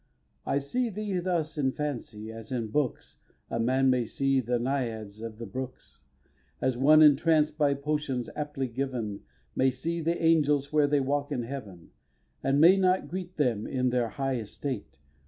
vii. I see thee thus in fancy, as in books A man may see the naïads of the brooks; As one entranced by potions aptly given May see the angels where they walk in Heaven, And may not greet them in their high estate.